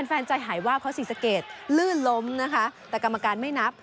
ใจหายว่าเพราะศรีสะเกดลื่นล้มนะคะแต่กรรมการไม่นับ